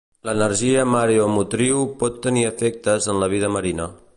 L'energia mareomotriu pot tenir efectes en la vida marina.